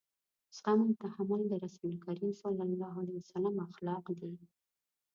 زغم او تحمل د رسول کريم صلی الله علیه وسلم اخلاق دي.